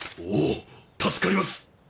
おお助かります